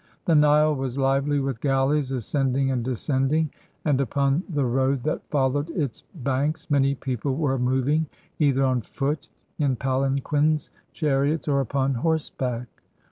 The Nile was lively with galleys ascending and descending; and upon the Foad that followed its banks many people were moving, either on foot, in palanquins, chariots, or upon horseback.